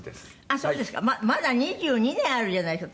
まだ２２年あるじゃないですか。